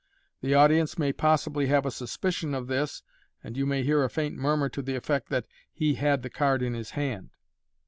The audience may possibly have a suspicion of tfiis, and you may hear a faint murmur to the effect that " he had the card in his hand